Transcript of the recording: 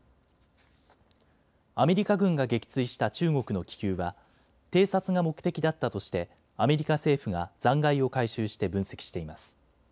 アメリカ軍が撃墜した中国の気球は偵察が目的だったとしてアメリカ政府が残骸を回収して分析しています。